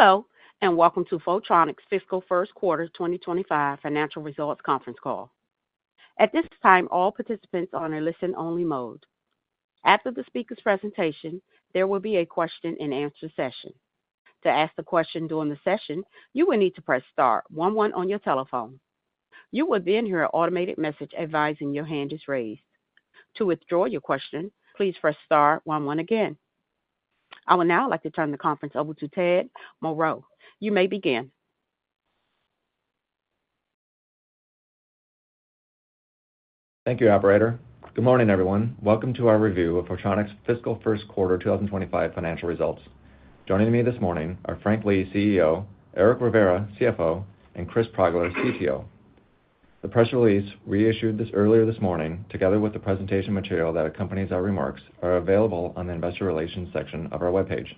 Hello, and welcome to Photronics Fiscal First Quarter 2025 financial results conference call. At this time, all participants are on a listen-only mode. After the speaker's presentation, there will be a question-and-answer session. To ask a question during the session, you will need to press star one one on your telephone. You will then hear an automated message advising your hand is raised. To withdraw your question, please press star one one again. I would now like to turn the conference over to Ted Moreau. You may begin. Thank you, Operator. Good morning, everyone. Welcome to our review of Photronics Fiscal First Quarter 2025 financial results. Joining me this morning are Frank Lee, CEO, Eric Rivera, CFO, and Chris Progler, CTO. The press release reissued this earlier this morning, together with the presentation material that accompanies our remarks, is available on the investor relations section of our web page.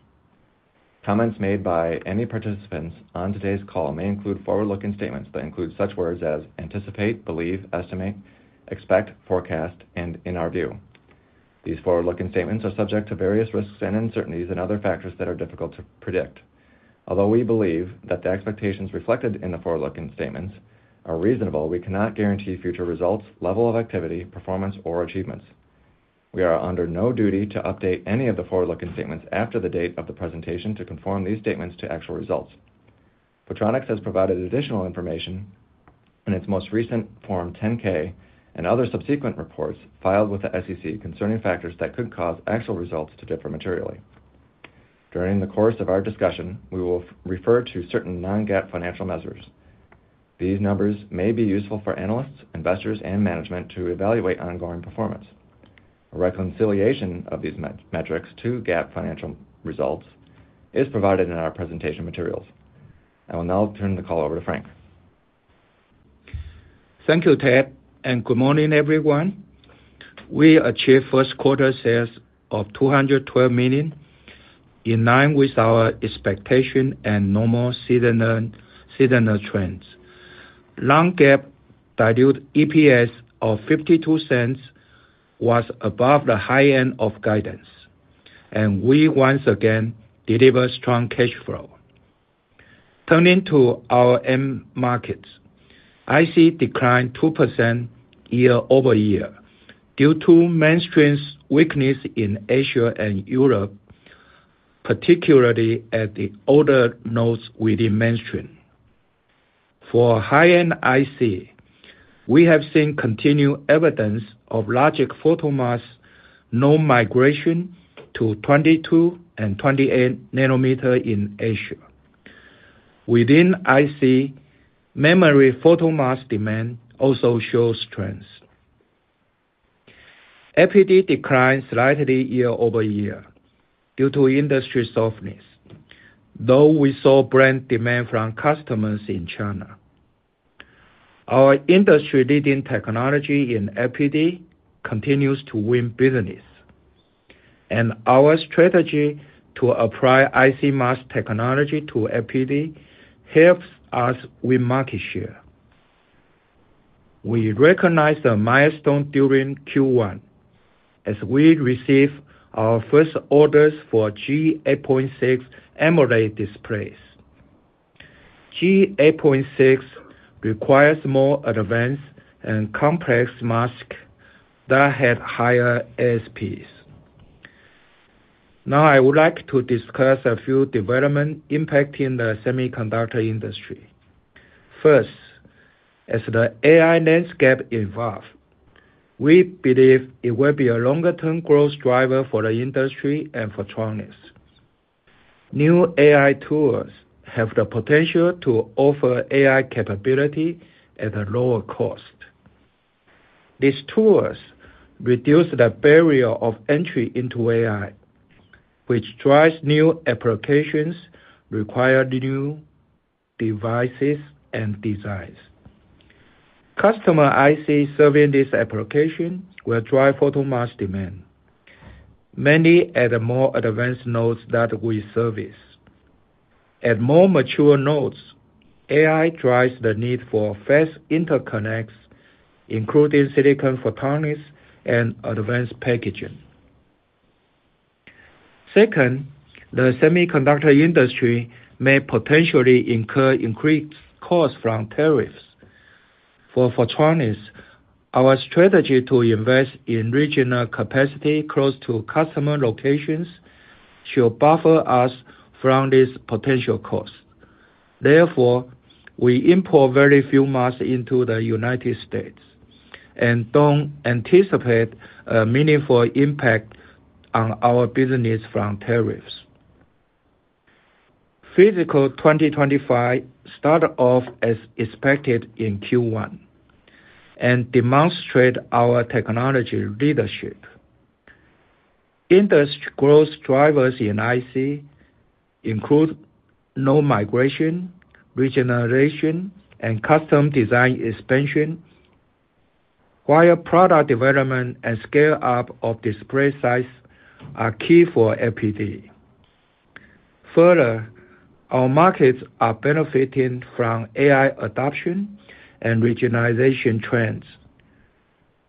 Comments made by any participants on today's call may include forward-looking statements that include such words as anticipate, believe, estimate, expect, forecast, and in our view. These forward-looking statements are subject to various risks and uncertainties and other factors that are difficult to predict. Although we believe that the expectations reflected in the forward-looking statements are reasonable, we cannot guarantee future results, level of activity, performance, or achievements. We are under no duty to update any of the forward-looking statements after the date of the presentation to conform these statements to actual results. Photronics has provided additional information in its most recent Form 10-K and other subsequent reports filed with the SEC concerning factors that could cause actual results to differ materially. During the course of our discussion, we will refer to certain non-GAAP financial measures. These numbers may be useful for analysts, investors, and management to evaluate ongoing performance. A reconciliation of these metrics to GAAP financial results is provided in our presentation materials. I will now turn the call over to Frank. Thank you, Ted, and good morning, everyone. We achieved first-quarter sales of $212 million, in line with our expectation and normal seasonal trends. Non-GAAP diluted EPS of $0.52 was above the high-end of guidance, and we once again delivered strong cash flow. Turning to our end markets, IC declined 2% year-over-year due to mainstream weakness in Asia and Europe, particularly at the older nodes within mainstream. For high-end IC, we have seen continued evidence of logic photomask node migration to 22 nm and 28 nm in Asia. Within IC, memory photomask demand also shows strength. FPD declined slightly year-over-year due to industry softness, though we saw broad demand from customers in China. Our industry-leading technology in FPD continues to win business, and our strategy to apply IC mask technology to FPD helps us win market share. We recognize the milestone during Q1, as we received our first orders for G8.6 AMOLED displays. G8.6 requires more advanced and complex masks that had higher ASPs. Now, I would like to discuss a few developments impacting the semiconductor industry. First, as the AI landscape evolves, we believe it will be a longer-term growth driver for the industry and Photronics. New AI tools have the potential to offer AI capability at a lower cost. These tools reduce the barrier of entry into AI, which drives new applications requiring new devices and designs. IC customers serving these applications will drive photomask demand, mainly at the more advanced nodes that we service. At more mature nodes, AI drives the need for fast interconnects, including silicon photonics and advanced packaging. Second, the semiconductor industry may potentially incur increased costs from tariffs. For Photronics, our strategy to invest in regional capacity close to customer locations should buffer us from these potential costs. Therefore, we import very few masks into the United States and don't anticipate a meaningful impact on our business from tariffs. Fiscal 2025 started off as expected in Q1 and demonstrated our technology leadership. Industry growth drivers in IC include node migration, regionalization, and custom design expansion, while product development and scale-up of display size are key for FPD. Further, our markets are benefiting from AI adoption and regionalization trends,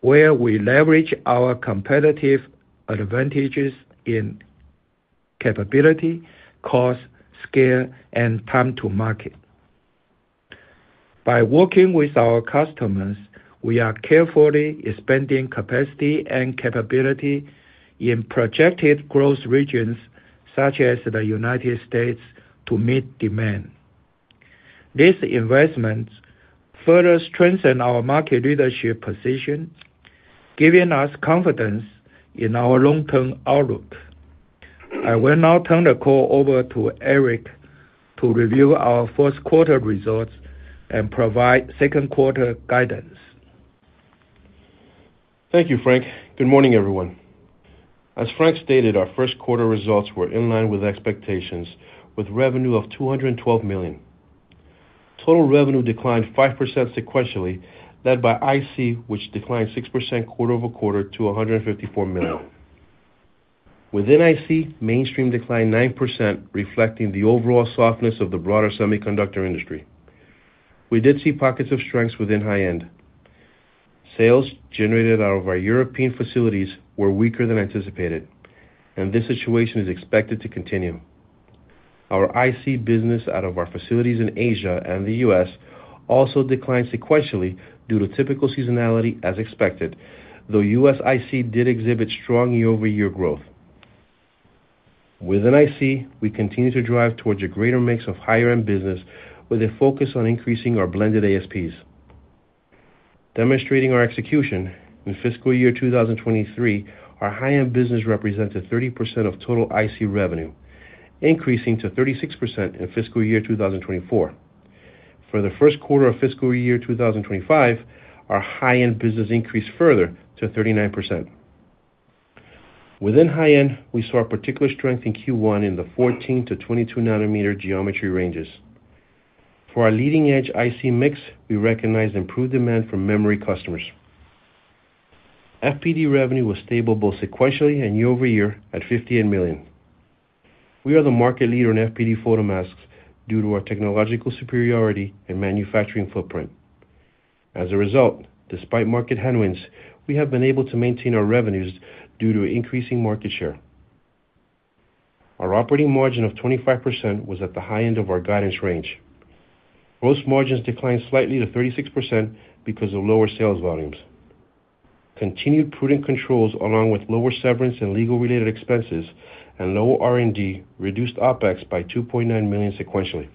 where we leverage our competitive advantages in capability, cost, scale, and time to market. By working with our customers, we are carefully expanding capacity and capability in projected growth regions such as the United States to meet demand. These investments further strengthen our market leadership position, giving us confidence in our long-term outlook. I will now turn the call over to Eric to review our first-quarter results and provide second-quarter guidance. Thank you, Frank. Good morning, everyone. As Frank stated, our first-quarter results were in line with expectations, with revenue of $212 million. Total revenue declined 5% sequentially, led by IC, which declined 6% quarter-over-quarter to $154 million. Within IC, mainstream declined 9%, reflecting the overall softness of the broader semiconductor industry. We did see pockets of strength within high-end. Sales generated out of our European facilities were weaker than anticipated, and this situation is expected to continue. Our IC business out of our facilities in Asia and the U.S. also declined sequentially due to typical seasonality, as expected, though U.S. IC did exhibit strong year-over-year growth. Within IC, we continue to drive towards a greater mix of higher-end business with a focus on increasing our blended ASPs. Demonstrating our execution, in fiscal year 2023, our high-end business represented 30% of total IC revenue, increasing to 36% in fiscal year 2024. For the first quarter of fiscal year 2025, our high-end business increased further to 39%. Within high-end, we saw particular strength in Q1 in the 14 nm to 22 nm geometry ranges. For our leading-edge IC mix, we recognized improved demand from memory customers. FPD revenue was stable both sequentially and year-over-year at $58 million. We are the market leader in FPD photomasks due to our technological superiority and manufacturing footprint. As a result, despite market headwinds, we have been able to maintain our revenues due to increasing market share. Our operating margin of 25% was at the high-end of our guidance range. Gross margins declined slightly to 36% because of lower sales volumes. Continued prudent controls, along with lower severance and legal-related expenses and lower R&D, reduced OpEx by $2.9 million sequentially.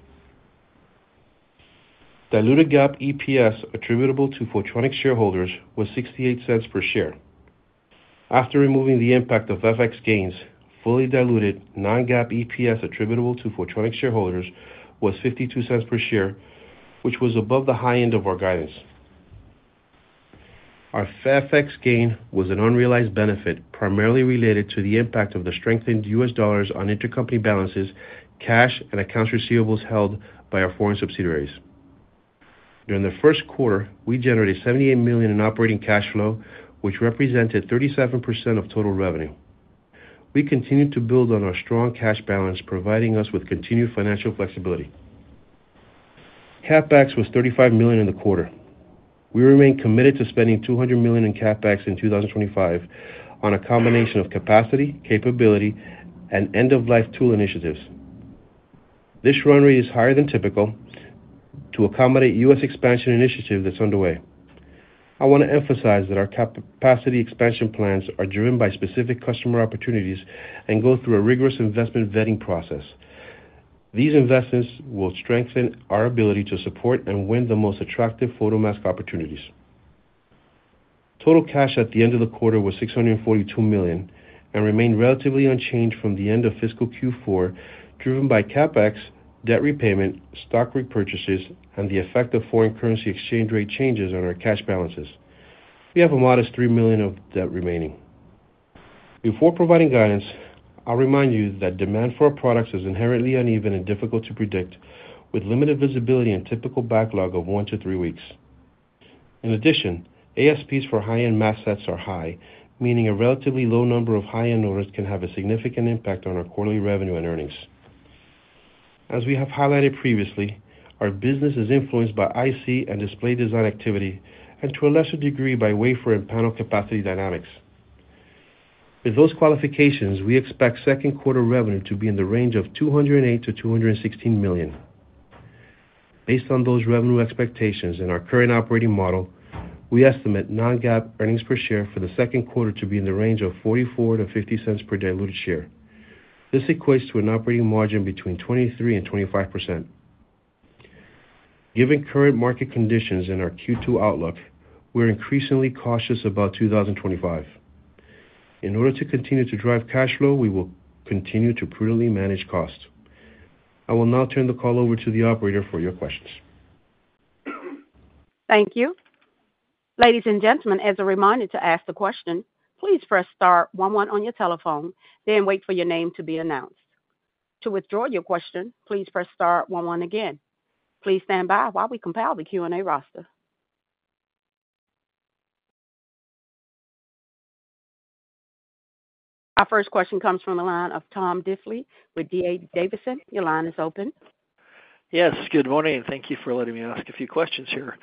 Diluted GAAP EPS attributable to Photronics shareholders was $0.68 per share. After removing the impact of FX gains, fully diluted non-GAAP EPS attributable to Photronics shareholders was $0.52 per share, which was above the high-end of our guidance. Our FX gain was an unrealized benefit, primarily related to the impact of the strengthened U.S. dollars on intercompany balances, cash, and accounts receivables held by our foreign subsidiaries. During the first quarter, we generated $78 million in operating cash flow, which represented 37% of total revenue. We continued to build on our strong cash balance, providing us with continued financial flexibility. CapEx was $35 million in the quarter. We remain committed to spending $200 million in CapEx in 2025 on a combination of capacity, capability, and end-of-life tool initiatives. This run rate is higher than typical to accommodate U.S. expansion initiatives that are underway. I want to emphasize that our capacity expansion plans are driven by specific customer opportunities and go through a rigorous investment vetting process. These investments will strengthen our ability to support and win the most attractive photomask opportunities. Total cash at the end of the quarter was $642 million and remained relatively unchanged from the end of fiscal Q4, driven by CapEx, debt repayment, stock repurchases, and the effect of foreign currency exchange rate changes on our cash balances. We have a modest $3 million of debt remaining. Before providing guidance, I'll remind you that demand for our products is inherently uneven and difficult to predict, with limited visibility and typical backlog of one to three weeks. In addition, ASPs for high-end mask sets are high, meaning a relatively low number of high-end orders can have a significant impact on our quarterly revenue and earnings. As we have highlighted previously, our business is influenced by IC and display design activity, and to a lesser degree by wafer and panel capacity dynamics. With those qualifications, we expect second-quarter revenue to be in the range of $208 million-$216 million. Based on those revenue expectations and our current operating model, we estimate non-GAAP earnings per share for the second quarter to be in the range of $0.44-$0.50 per diluted share. This equates to an operating margin between 23% and 25%. Given current market conditions and our Q2 outlook, we're increasingly cautious about 2025. In order to continue to drive cash flow, we will continue to prudently manage costs. I will now turn the call over to the operator for your questions. Thank you. Ladies and gentlemen, as a reminder to ask the question, please press star one one on your telephone, then wait for your name to be announced. To withdraw your question, please press star one one again. Please stand by while we compile the Q&A roster. Our first question comes from the line of Tom Diffely with DA Davidson. Your line is open. Yes, good morning, and thank you for letting me ask a few questions here.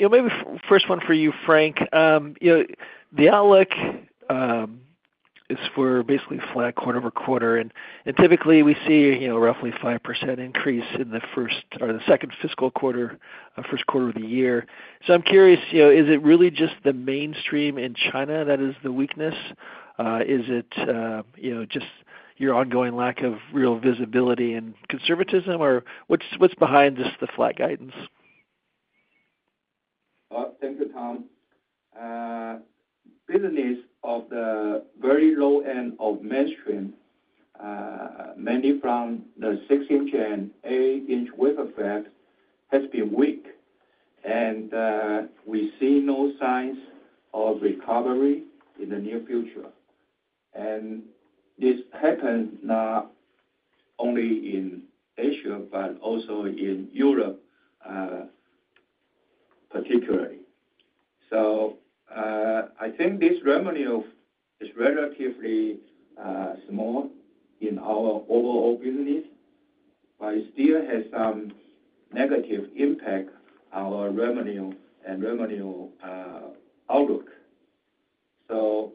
Maybe first one for you, Frank. The outlook is for basically flat quarter-over-quarter. And typically, we see a roughly 5% increase in the first or the second fiscal quarter, first quarter of the year. So I'm curious, is it really just the mainstream in China that is the weakness? Is it just your ongoing lack of real visibility and conservatism, or what's behind just the flat guidance? Thank you, Tom. Business of the very low end of mainstream, mainly from the 6 in and 8 in wafer fabs, has been weak, and we see no signs of recovery in the near future. And this happens not only in Asia, but also in Europe, particularly. So I think this revenue is relatively small in our overall business, but it still has some negative impact on our revenue and revenue outlook. So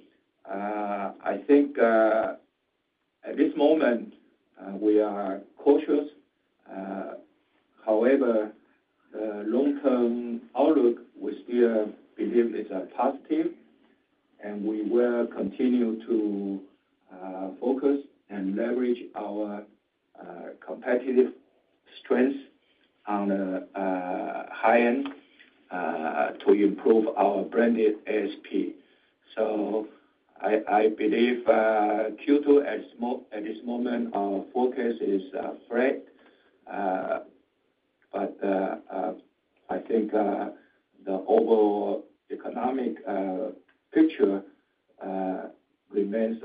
I think at this moment, we are cautious. However, the long-term outlook, we still believe it's positive, and we will continue to focus and leverage our competitive strengths on the high-end to improve our blended ASP. So I believe Q2 at this moment, our focus is FPD, but I think the overall economic picture remains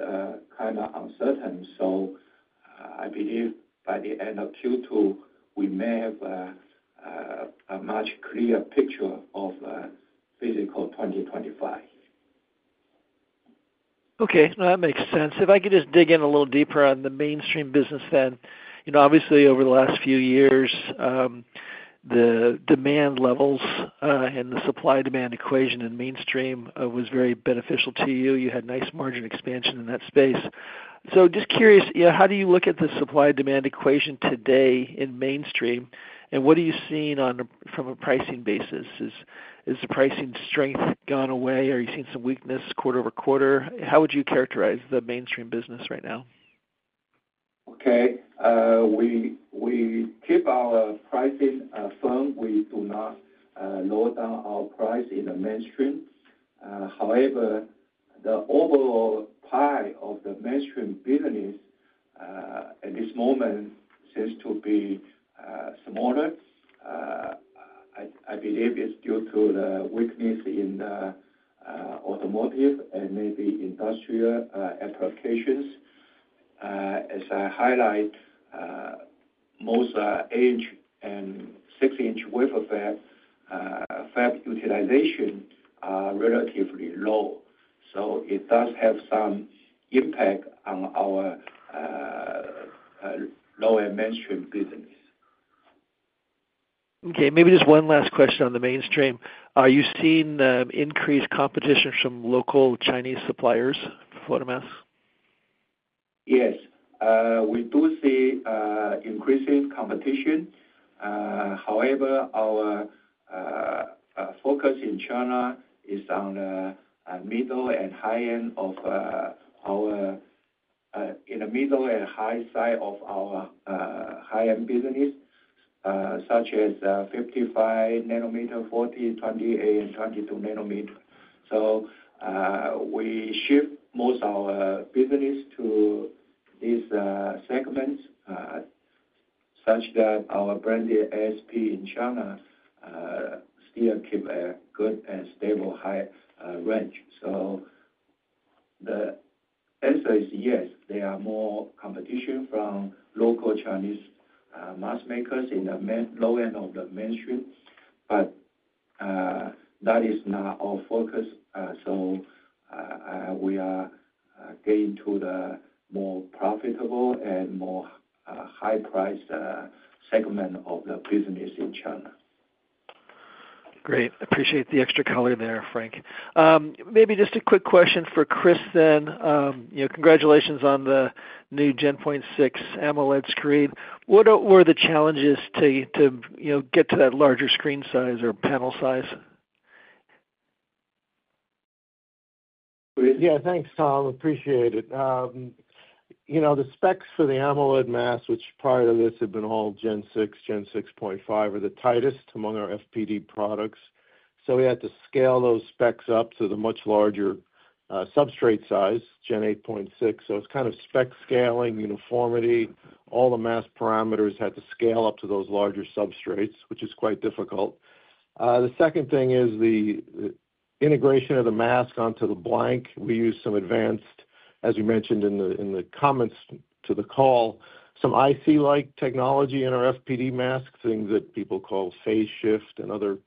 kind of uncertain. So I believe by the end of Q2, we may have a much clearer picture of fiscal 2025. Okay. No, that makes sense. If I could just dig in a little deeper on the mainstream business, then obviously, over the last few years, the demand levels and the supply-demand equation in mainstream was very beneficial to you. You had nice margin expansion in that space. So just curious, how do you look at the supply-demand equation today in mainstream, and what are you seeing from a pricing basis? Has the pricing strength gone away? Are you seeing some weakness quarter over quarter? How would you characterize the mainstream business right now? Okay. We keep our pricing firm. We do not lower down our price in the mainstream. However, the overall pie of the mainstream business at this moment seems to be smaller. I believe it's due to the weakness in the automotive and maybe industrial applications. As I highlight, most 8 in and 6 in wafer fab utilization are relatively low. So it does have some impact on our lower mainstream business. Okay. Maybe just one last question on the mainstream. Are you seeing increased competition from local Chinese suppliers for photomasks? Yes. We do see increasing competition. However, our focus in China is on the middle and high-end of our high-end business, such as 55 nm, 40 nm, 28 nm, and 22 nm. We shift most of our business to these segments such that our branded ASP in China still keep a good and stable high range. The answer is yes. There are more competition from local Chinese mask makers in the low end of the mainstream, but that is not our focus. We are getting to the more profitable and more high-priced segment of the business in China. Great. Appreciate the extra color there, Frank. Maybe just a quick question for Chris then. Congratulations on the new Gen 6 AMOLED screen. What were the challenges to get to that larger screen size or panel size? Yeah. Thanks, Tom. Appreciate it. The specs for the AMOLED masks, which prior to this had been all Gen 6, Gen 6.5, are the tightest among our FPD products. So we had to scale those specs up to the much larger substrate size, Gen 8.6. So it's kind of spec scaling, uniformity. All the mask parameters had to scale up to those larger substrates, which is quite difficult. The second thing is the integration of the mask onto the blank. We use some advanced, as we mentioned in the comments to the call, some IC-like technology in our FPD masks, things that people call phase shift and other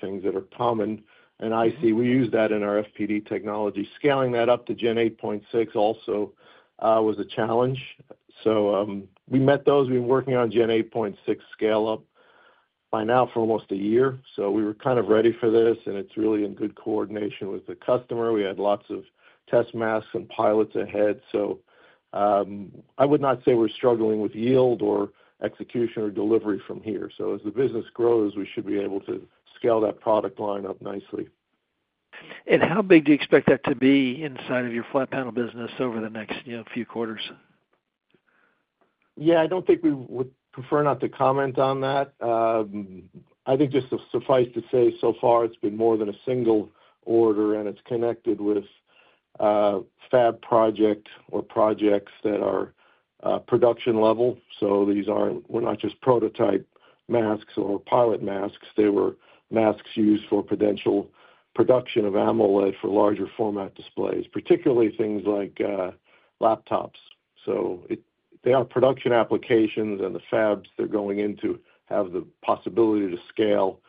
things that are common in IC. We use that in our FPD technology. Scaling that up to Gen 8.6 also was a challenge. So we met those. We've been working on Gen 8.6 scale-up by now for almost a year. So we were kind of ready for this, and it's really in good coordination with the customer. We had lots of test masks and pilots ahead. So I would not say we're struggling with yield or execution or delivery from here. So as the business grows, we should be able to scale that product line up nicely. How big do you expect that to be inside of your flat panel business over the next few quarters? Yeah. I don't think we would prefer not to comment on that. I think it suffices to say, so far, it's been more than a single order, and it's connected with fab projects or projects that are production level. So these aren't. We're not just prototype masks or pilot masks. They were masks used for potential production of AMOLED for larger format displays, particularly things like laptops. So they are production applications, and the fabs they're going into have the possibility to scale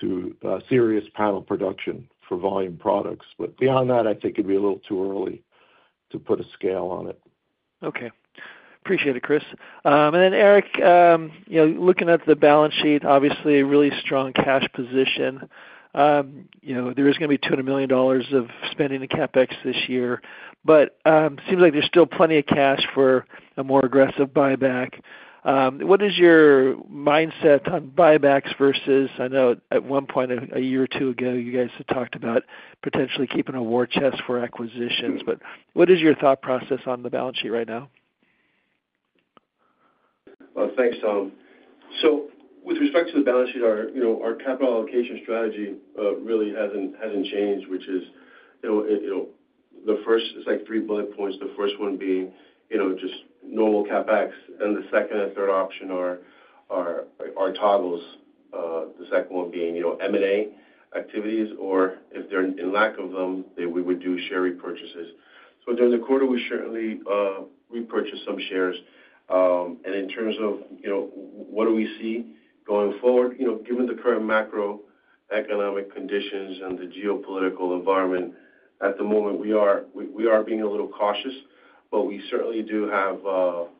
to serious panel production for volume products. But beyond that, I think it'd be a little too early to put a scale on it. Okay. Appreciate it, Chris. And then, Eric, looking at the balance sheet, obviously, a really strong cash position. There is going to be $200 million of spending in CapEx this year, but it seems like there's still plenty of cash for a more aggressive buyback. What is your mindset on buybacks versus I know at one point a year or two ago, you guys had talked about potentially keeping a war chest for acquisitions, but what is your thought process on the balance sheet right now? Well, thanks, Tom. So with respect to the balance sheet, our capital allocation strategy really hasn't changed, which is the first it's like three bullet points. The first one being just normal CapEx, and the second and third option are our toggles, the second one being M&A activities, or if they're in lack of them, then we would do share repurchases. So during the quarter, we certainly repurchased some shares. And in terms of what do we see going forward, given the current macroeconomic conditions and the geopolitical environment, at the moment, we are being a little cautious, but we certainly do have the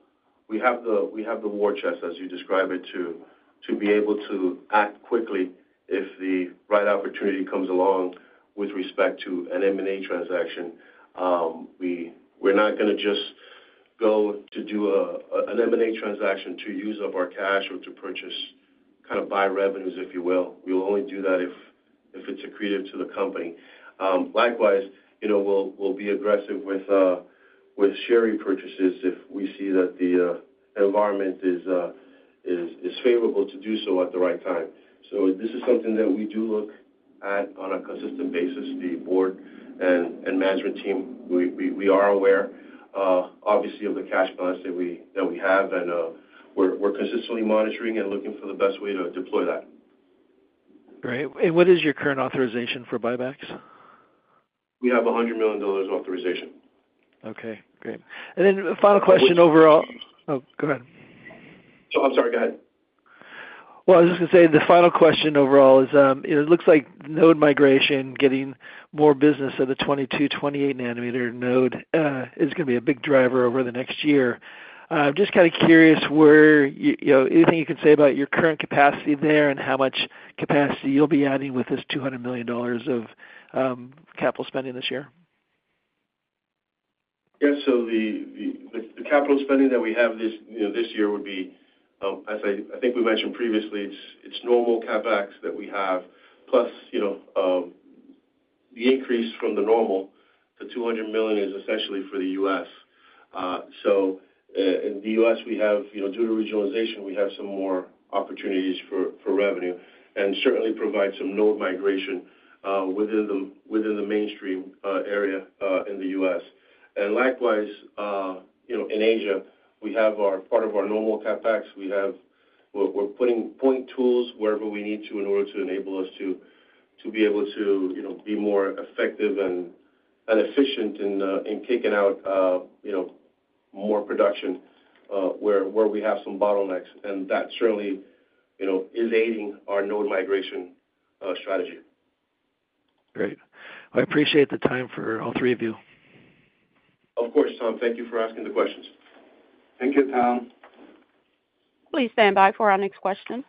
war chest, as you describe it, to be able to act quickly if the right opportunity comes along with respect to an M&A transaction. We're not going to just go to do an M&A transaction to use up our cash or to purchase kind of buy revenues, if you will. We will only do that if it's accretive to the company. Likewise, we'll be aggressive with share repurchases if we see that the environment is favorable to do so at the right time. So this is something that we do look at on a consistent basis. The board and management team, we are aware, obviously, of the cash balance that we have, and we're consistently monitoring and looking for the best way to deploy that. Great, and what is your current authorization for buybacks? We have $100 million authorization. Okay. Great. And then the final question overall. Oh, go ahead. Oh, I'm sorry. Go ahead. I was just going to say the final question overall is it looks like node migration, getting more business of the 22 nm, 28 nm node is going to be a big driver over the next year. I'm just kind of curious where anything you can say about your current capacity there and how much capacity you'll be adding with this $200 million of capital spending this year. Yeah. So the capital spending that we have this year would be, as I think we mentioned previously, it's normal CapEx that we have, plus the increase from the normal. The $200 million is essentially for the U.S. So in the U.S., we have due to regionalization, we have some more opportunities for revenue and certainly provide some node migration within the mainstream area in the U.S. And likewise, in Asia, we have our part of our normal CapEx. We're putting point tools wherever we need to in order to enable us to be able to be more effective and efficient in kicking out more production where we have some bottlenecks. And that certainly is aiding our node migration strategy. Great. I appreciate the time for all three of you. Of course, Tom. Thank you for asking the questions. Thank you, Tom. Please stand by for our next question.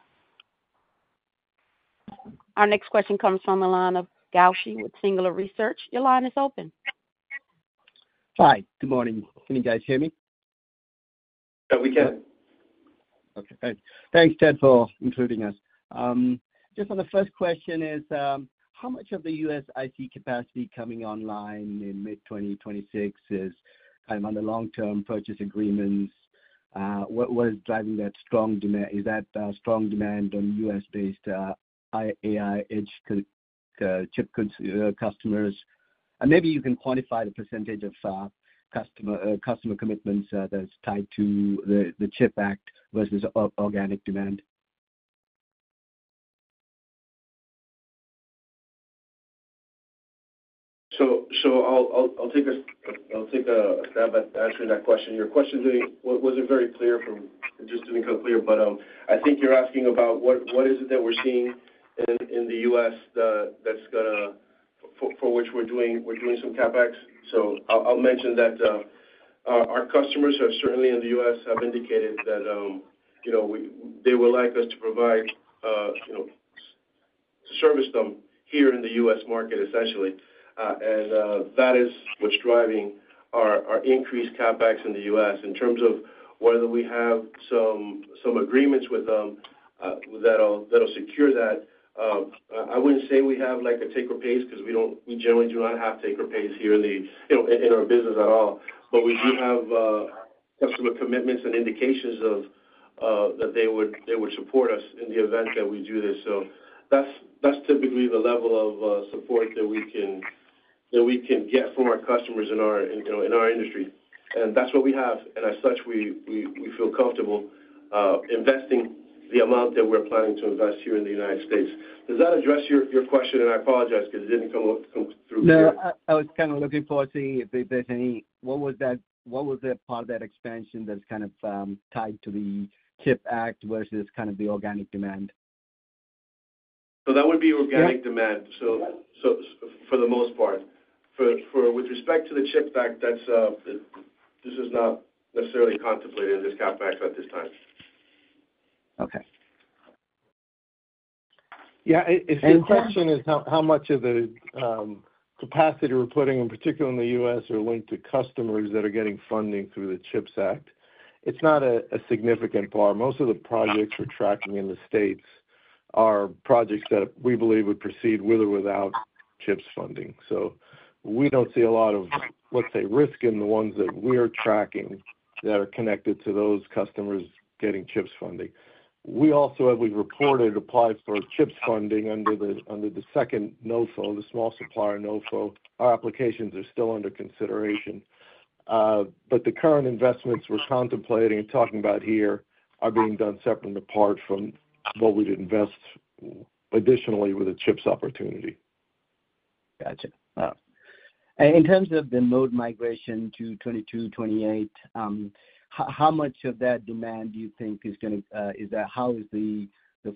Our next question comes from Gowshihan Sriharan with Singular Research. Your line is open. Hi. Good morning. Can you guys hear me? Yeah, we can. Okay. Thanks, Ted, for including us. Just on the first question, is how much of the U.S. IC capacity coming online in mid-2026 kind of on the long-term purchase agreements? What is driving that strong demand? Is that strong demand on U.S.-based AI edge chip customers? And maybe you can quantify the percentage of customer commitments that's tied to the CHIPS Act versus organic demand. So I'll take a stab at answering that question. Your question wasn't very clear from just to make it clear, but I think you're asking about what is it that we're seeing in the U.S. that's going to for which we're doing some CapEx. So I'll mention that our customers have certainly in the U.S. have indicated that they would like us to provide to service them here in the U.S. market, essentially. And that is what's driving our increased CapEx in the U.S. in terms of whether we have some agreements with them that'll secure that. I wouldn't say we have a take or pay because we generally do not have take or pay here in our business at all, but we do have customer commitments and indications that they would support us in the event that we do this. So that's typically the level of support that we can get from our customers in our industry. And that's what we have. And as such, we feel comfortable investing the amount that we're planning to invest here in the United States. Does that address your question? And I apologize because it didn't come through. No. I was kind of looking forward to see if there's any what was that part of that expansion that's kind of tied to the CHIPS Act versus kind of the organic demand? So that would be organic demand for the most part. With respect to the CHIPS Act, this is not necessarily contemplated in this CapEx at this time. Okay. Yeah. The question is how much of the capacity we're putting, in particular in the U.S., are linked to customers that are getting funding through the CHIPS Act. It's not a significant part. Most of the projects we're tracking in the states are projects that we believe would proceed with or without CHIPS funding. So we don't see a lot of, let's say, risk in the ones that we are tracking that are connected to those customers getting CHIPS funding. We also, as we've reported, applied for CHIPS funding under the second NOFO, the small supplier NOFO. Our applications are still under consideration. But the current investments we're contemplating and talking about here are being done separate and apart from what we'd invest additionally with a CHIPS opportunity. Gotcha. And in terms of the node migration to 22 nm, 28 nm, how much of that demand do you think is going to how is the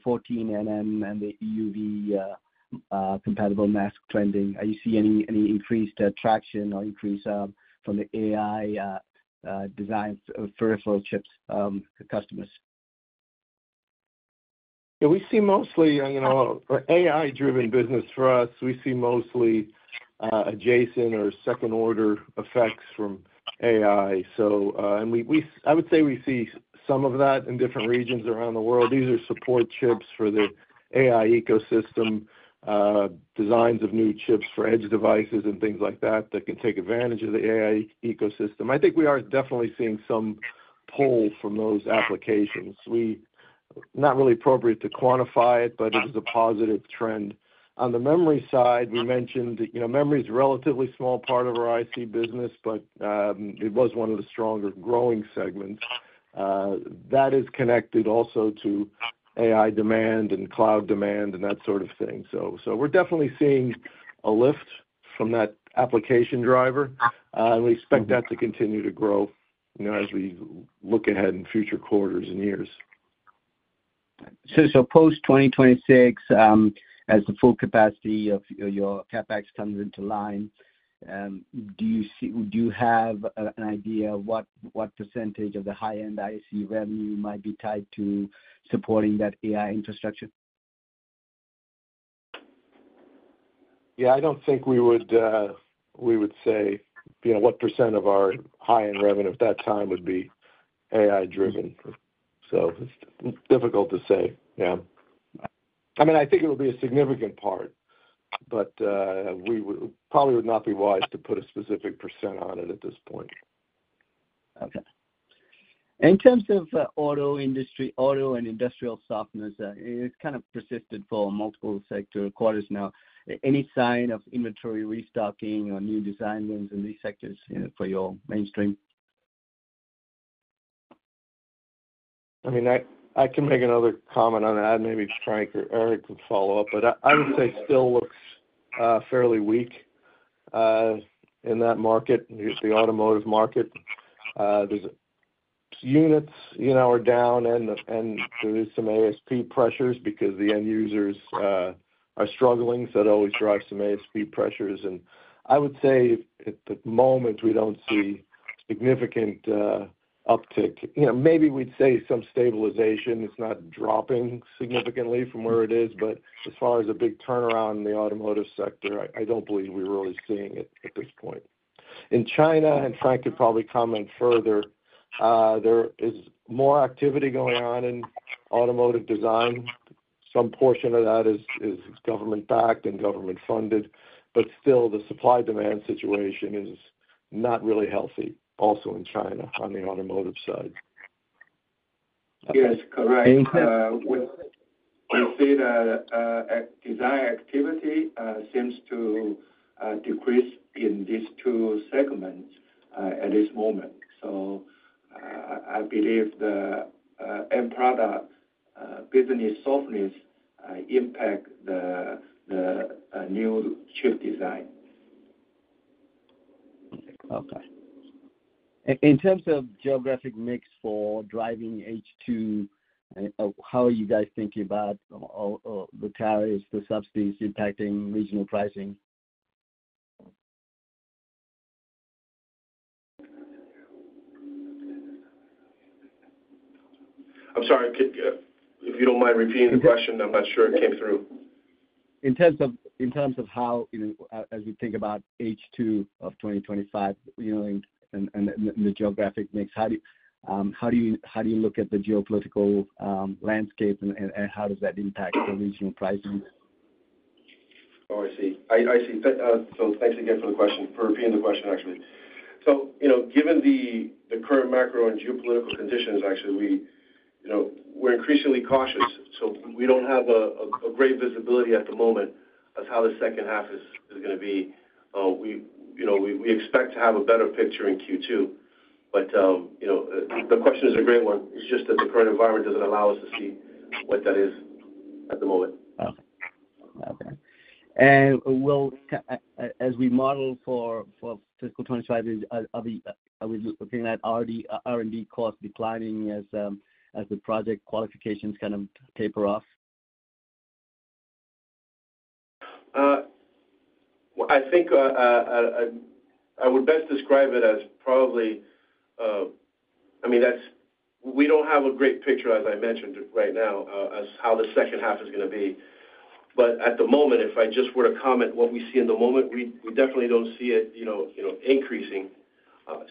14 nm and the EUV compatible mask trending? Are you seeing any increased traction or increase from the AI designs for powerful chips to customers? Yeah. We see mostly AI-driven business for us. We see mostly adjacent or second-order effects from AI. And I would say we see some of that in different regions around the world. These are support chips for the AI ecosystem, designs of new chips for edge devices and things like that that can take advantage of the AI ecosystem. I think we are definitely seeing some pull from those applications. Not really appropriate to quantify it, but it is a positive trend. On the memory side, we mentioned memory is a relatively small part of our IC business, but it was one of the stronger growing segments. That is connected also to AI demand and cloud demand and that sort of thing. So we're definitely seeing a lift from that application driver, and we expect that to continue to grow as we look ahead in future quarters and years. So post-2026, as the full capacity of your CapEx comes into line, do you have an idea of what percentage of the high-end IC revenue might be tied to supporting that AI infrastructure? Yeah. I don't think we would say what percent of our high-end revenue at that time would be AI-driven. So it's difficult to say. Yeah. I mean, I think it would be a significant part, but we probably would not be wise to put a specific percent on it at this point. Okay. In terms of auto and industrial sectors, it's kind of persisted for multiple sequential quarters now. Any sign of inventory restocking or new design wins in these sectors for your mainstream? I mean, I can make another comment on that. Maybe Frank or Eric can follow up, but I would say it still looks fairly weak in that market, the automotive market. Units are down, and there is some ASP pressures because the end users are struggling. So that always drives some ASP pressures. And I would say at the moment, we don't see significant uptick. Maybe we'd say some stabilization. It's not dropping significantly from where it is. But as far as a big turnaround in the automotive sector, I don't believe we're really seeing it at this point. In China, and Frank could probably comment further, there is more activity going on in automotive design. Some portion of that is government-backed and government-funded, but still, the supply-demand situation is not really healthy also in China on the automotive side. Yes. Correct. We see that design activity seems to decrease in these two segments at this moment. So I believe the end product business softness impacts the new chip design. Okay. In terms of geographic mix for driving H2, how are you guys thinking about the tariffs, the subsidies impacting regional pricing? I'm sorry. If you don't mind repeating the question, I'm not sure it came through. In terms of how, as we think about H2 of 2025 and the geographic mix, how do you look at the geopolitical landscape, and how does that impact the regional pricing? Oh, I see. So thanks again for the question, for repeating the question, actually. So given the current macro and geopolitical conditions, actually, we're increasingly cautious. So we don't have a great visibility at the moment of how the second half is going to be. We expect to have a better picture in Q2. But the question is a great one. It's just that the current environment doesn't allow us to see what that is at the moment. Okay, and as we model for fiscal 2025, are we looking at R&D costs declining as the project qualifications kind of taper off? I think I would best describe it as probably I mean, we don't have a great picture, as I mentioned right now, as how the second half is going to be, but at the moment, if I just were to comment what we see in the moment, we definitely don't see it increasing,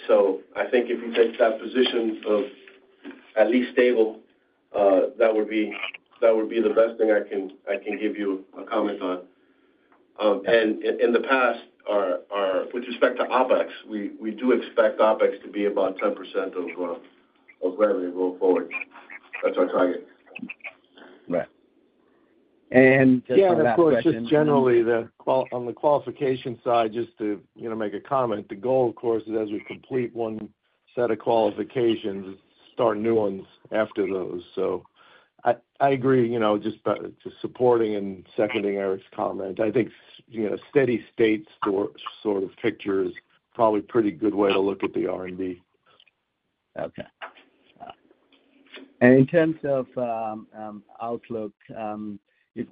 so I think if you take that position of at least stable, that would be the best thing I can give you a comment on, and in the past, with respect to OpEx, we do expect OpEx to be about 10% of revenue going forward. That's our target. Right, and just on that question. Yeah. Of course. Just generally, on the qualification side, just to make a comment, the goal, of course, is as we complete one set of qualifications, start new ones after those. So, I agree, just supporting and seconding Eric's comment. I think steady-state sort of picture is probably a pretty good way to look at the R&D. Okay. And in terms of outlook,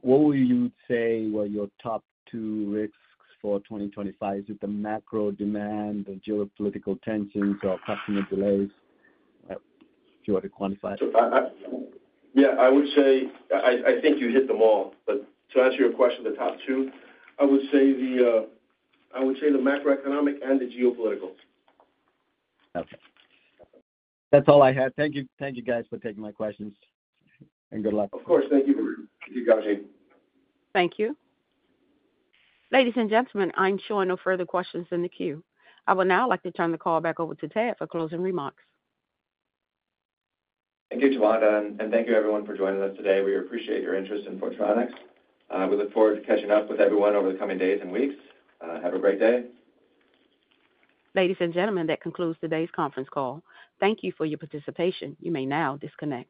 what would you say were your top two risks for 2025? Is it the macro demand, the geopolitical tensions, or customer delays if you were to quantify it? Yeah. I think you hit them all. But to answer your question, the top two, I would say the macroeconomic and the geopolitical. Okay. That's all I had. Thank you, guys, for taking my questions, and good luck. Of course. Thank you, Gowshi. Thank you. Ladies and gentlemen, I'm sure no further questions in the queue. I would now like to turn the call back over to Ted for closing remarks. Thank you, John. And thank you, everyone, for joining us today. We appreciate your interest in Photronics. We look forward to catching up with everyone over the coming days and weeks. Have a great day. Ladies and gentlemen, that concludes today's conference call. Thank you for your participation. You may now disconnect.